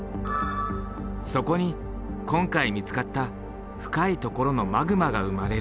そこに今回見つかった深いところのマグマが生まれる。